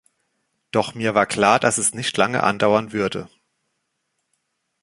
Doch mir war klar, dass es nicht lange andauern würde.